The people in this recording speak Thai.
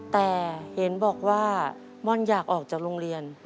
แต่เห็นบอกว่าม่อนอยากออกจากโรงเรียน